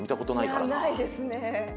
いやないですね。